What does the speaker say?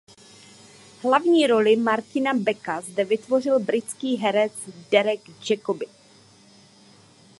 Hlavní roli Martina Becka zde vytvořil britský herec Derek Jacobi.